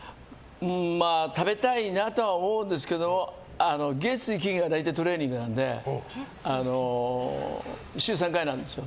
まあ、食べたいなとは思うんですけど月、水、金が大体トレーニングなので週３回なんですよ。